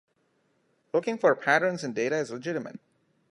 Looking for patterns in data is legitimate.